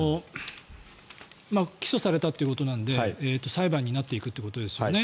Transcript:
起訴されたということなので裁判になっていくということですよね。